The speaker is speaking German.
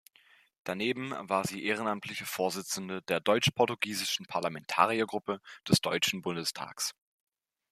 Daneben war sie ehrenamtliche Vorsitzende der Deutsch-Portugiesischen Parlamentariergruppe des Deutschen Bundestages.